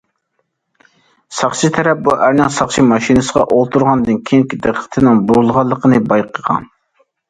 ساقچى تەرەپ بۇ ئەرنىڭ ساقچى ماشىنىسىغا ئولتۇرغاندىن كېيىن دىققىتىنىڭ بۇرۇلغانلىقىنى بايقىغان.